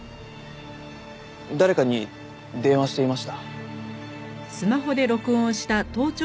誰かに電話していました。